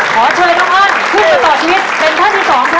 ขอเชิญน้องอ้อนขึ้นไปต่อชีวิตเป็นท่านที่สองครับ